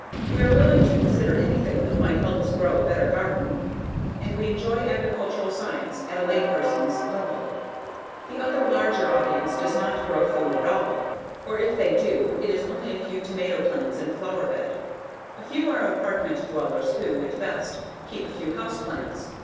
We are willing to consider anything that might help us grow a better garden and we enjoy agricultural science at a lay person's level. The other larger audience, does not grow food at all, or if they do it is only a few tomato plants in a flower bed. A few are apartment dwellers who, at best, keep a few house plants.